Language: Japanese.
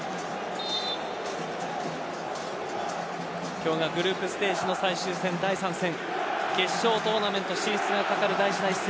今日がグループステージの最終戦、第３戦決勝トーナメント進出が懸かる大事な一戦。